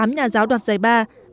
bốn mươi tám nhà giáo đặt giải ba